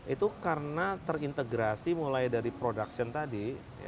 itu karena terintegrasi mulai dari production tadi